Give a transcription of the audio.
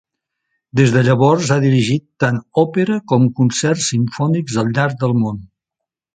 Des de llavors ha dirigit tant òpera com concerts simfònics al llarg del món.